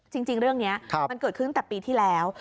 จริงเรื่องนี้มันเกิดขึ้นตั้งแต่ปีที่แล้ว